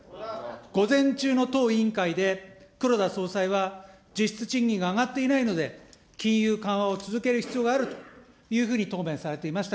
午前中の当委員会で黒田総裁は、実質賃金が上がっていないので、金融緩和を続ける必要があるというふうに答弁されていました